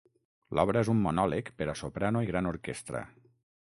L'obra és un monòleg per a soprano i gran orquestra.